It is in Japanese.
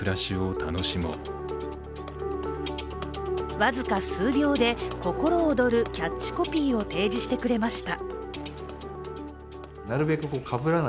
僅か数秒で、心躍るキャッチコピーを提示してくれました。